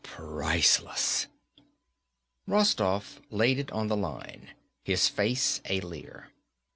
"Priceless." Rostoff laid it on the line, his face a leer.